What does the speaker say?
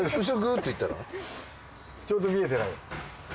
ちょうど見えてない。